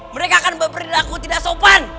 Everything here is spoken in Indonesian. mereka akan memperdiri aku tidak sopan